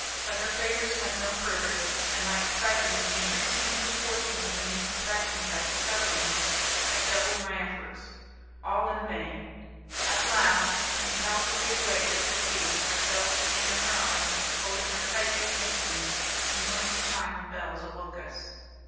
But her favours went no further; and my excitement increasing in proportion to the new perfections I discovered in her, I doubled my efforts; all in vain. At last, compelled to give way to fatigue, I fell asleep in her arms, holding her tightly, against me. A noisy chime of bells woke us.